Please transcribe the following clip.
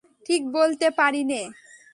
ঠিক বলতে পারি নে।